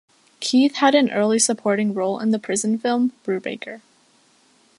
Keith had an early supporting role in the prison film "Brubaker".